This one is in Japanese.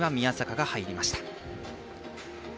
３位は宮坂が入りました。